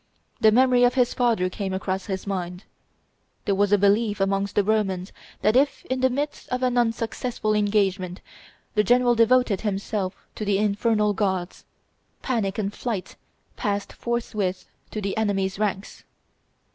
The memory of his father came across his mind. There was a belief amongst the Romans that if in the midst of an unsuccessful engagement the general devoted himself to the infernal gods, "panic and flight" passed forthwith to the enemies' ranks.